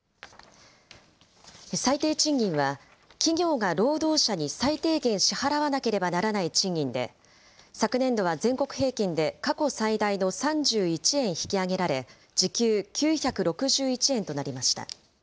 最低賃金は、企業が労働者に最低限支払わなければならない賃金で、昨年度は全国平均で過去最大の３１円引き上げられ、時給９６１円となりました。